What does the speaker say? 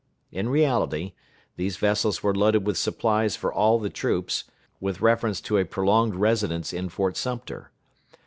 In reality, these vessels were loaded with supplies for all the troops, with reference to a prolonged residence in Fort Sumter.